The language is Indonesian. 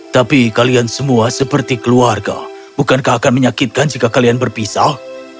tapi kalian semua seperti keluarga bukankah akan menyakitkan jika kalian berpisah